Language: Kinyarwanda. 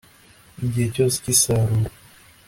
igihe cyose cy'isarura